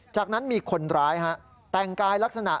จากนั้นมีคนร้ายแต่งกายลักษณะ